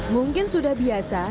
mungkin sudah biasa